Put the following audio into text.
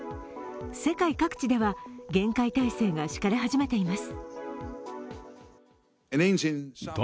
世界各地では厳戒態勢が敷かれ始めています。